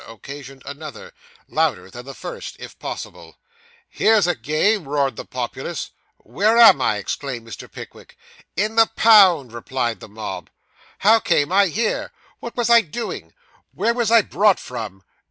occasioned another, louder than the first, if possible. 'Here's a game!' roared the populace. 'Where am I?' exclaimed Mr. Pickwick. 'In the pound,' replied the mob. 'How came I here? What was I doing? Where was I brought from?